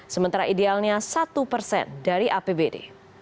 sementara idealnya satu persen dari apbd